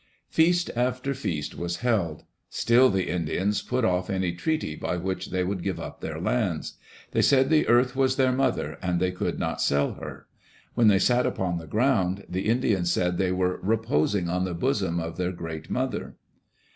Feast after feast was held. Still the Indians put off any treaty by which they would give up their lands. They said the earth was their mother, and they could not sell her. When they sat upon the ground, the Indians said they were "reposing on the bosom of their great mother."